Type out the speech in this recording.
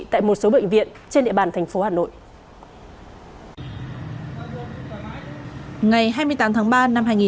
tại một số bệnh viện trên địa bàn thành phố hà nội